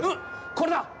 これだ！